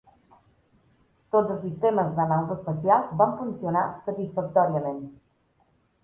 Tots els sistemes de naus espacials van funcionar satisfactòriament.